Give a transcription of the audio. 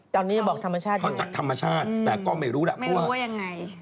ตอนนี้บอกธรรมชาติอยู่แล้วค่ะไม่รู้ว่ายังไงเขาจากธรรมชาติแต่ก็ไม่รู้แหละ